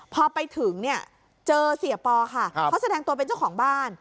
พอไปถึงเนี่ยเจอเสียปอค่ะเขาแสดงตัวเป็นเจ้าของบ้าน